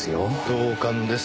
同感です。